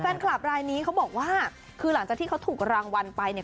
แฟนคลับรายนี้เขาบอกว่าคือหลังจากที่เขาถูกรางวัลไปเนี่ย